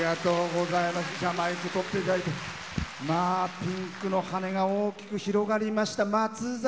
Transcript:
ピンクの羽根が大きく広がりました。